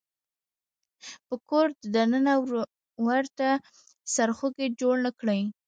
په کور د ننه ورته سرخوږی جوړ نه کړي.